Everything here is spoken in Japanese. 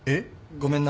ごめんな。